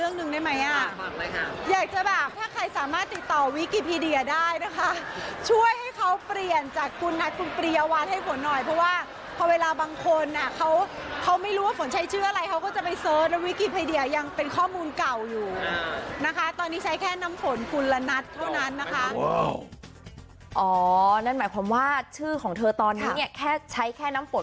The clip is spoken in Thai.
อ๋อนั่นหมายความว่าชื่อของเธอตอนนี้ใช้แค่น้ำฝนกุลนัทอันนั้นเป็นชื่อเดิม